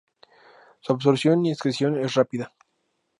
Su absorción y excreción es rápida.